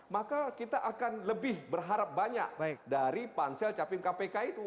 maka kita akan lebih berharap banyak dari pansel capim kpk itu